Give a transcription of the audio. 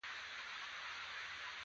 دوه درې ټیکسیانې ولاړې وې.